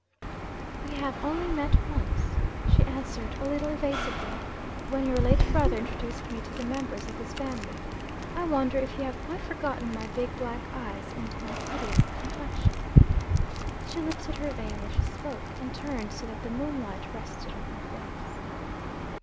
'We have only met once,' she answered a little evasively, 'when your late brother introduced me to the members of his family. I wonder if you have quite forgotten my big black eyes and my hideous complexion?' She lifted her veil as she spoke, and turned so that the moonlight rested on her face.